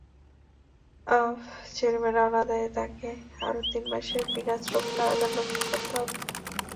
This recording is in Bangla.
জরিমানা অনাদায়ে তাঁকে আরও তিন মাসের বিনাশ্রম কারাদণ্ড ভোগ করতে হবে।